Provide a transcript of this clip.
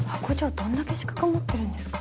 どんだけ資格持ってるんですか？